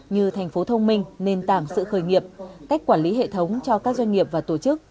như thành phố thông minh nền tảng sự khởi nghiệp cách quản lý hệ thống cho các doanh nghiệp và tổ chức